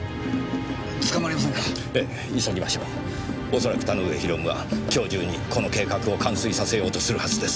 恐らく田ノ上啓は今日中にこの計画を完遂させようとするはずです。